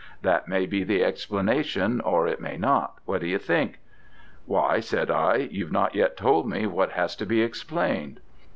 That may be the explanation, or it may not. What do you think?' 'Why,' said I, 'you've not yet told me what has to be explained.'